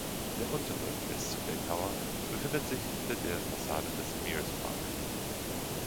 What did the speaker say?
Der untere, der Sibley Tower, befindet sich hinter der Fassade des Mears Park.